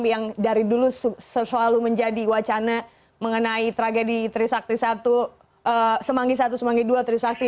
yang dari dulu selalu menjadi wacana mengenai tragedi trisakti satu semanggi satu semanggi ii trisakti